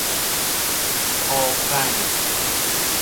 آفرنگ